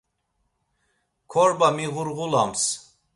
Korba miğurğulams.